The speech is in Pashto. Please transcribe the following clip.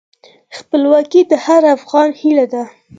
خپلواکي د هر افغان هیله ده.